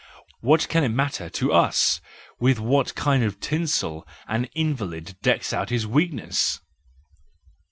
What can it matter to us with what kind of tinsel an invalid decks out his weakness?